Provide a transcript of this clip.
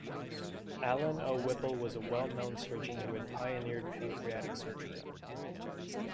Allen O. Whipple was a well-known surgeon who had pioneered pancreatic surgery.